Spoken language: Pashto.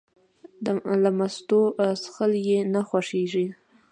له مستو څښل یې نه خوښېږي.